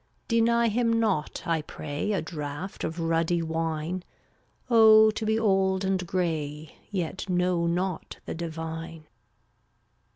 Deny him not, I pray, A draught of ruddy wine; Oh, to be old and gray Yet know not the divine.